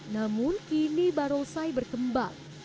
namun kini barongsai berkembang